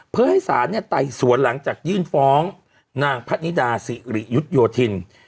เพื่อให้ศาลไต่สวนหลังจากยื่นฟ้องนางพะนิดาสิริยุทธโยธิน